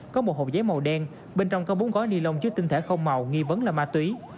có một hộp giấy màu đen bên trong có bốn gói ni lông chứa tinh thể không màu nghi vấn là ma túy